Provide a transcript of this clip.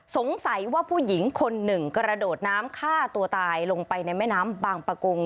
สงสัยว่าผู้หญิงคนหนึ่งกระโดดน้ำฆ่าตัวตายลงไปในแม่น้ำบางประกง